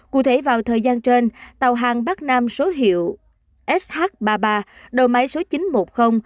cụ thể vào thời gian trên tàu hàng bắc nam số hiệu sh ba mươi ba đầu máy số chín trăm một mươi